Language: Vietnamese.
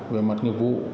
về mặt nhiệm vụ